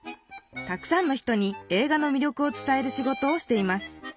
たくさんの人に映画の魅力を伝える仕事をしています。